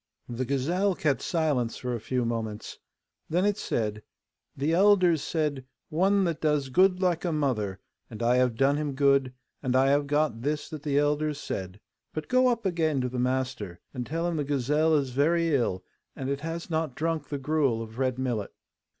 The gazelle kept silence for a few moments. Then it said, 'The elders said, "One that does good like a mother," and I have done him good, and I have got this that the elders said. But go up again to the master, and tell him the gazelle is very ill, and it has not drunk the gruel of red millet.